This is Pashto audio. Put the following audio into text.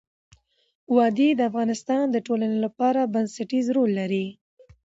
وادي د افغانستان د ټولنې لپاره بنسټيز رول لري.